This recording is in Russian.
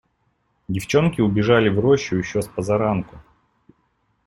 Девчонки убежали в рощу еще спозаранку.